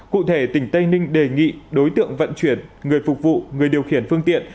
cụ thể tỉnh tây ninh đề nghị đối tượng vận chuyển người phục vụ người điều khiển phương tiện